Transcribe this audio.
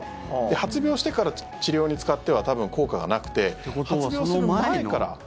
発病してから治療に使っては多分、効果がなくて発病する前から。